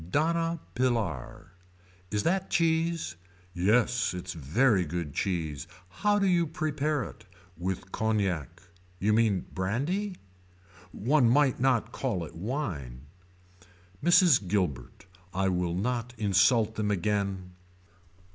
Donna Pilar. Is that cheese. Yes it's very good cheese. How do you prepare it. With cognac. You mean brandy. One might not call it wine. Mrs. Gilbert. I will not insult them again.